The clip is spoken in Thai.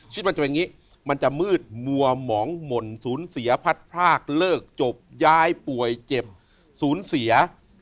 มันจะเป็นอย่างนี้มันจะมืดมัวหมองหม่นสูญเสียพัดพรากเลิกจบย้ายป่วยเจ็บสูญเสีย